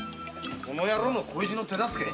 この野郎の恋路の手助け？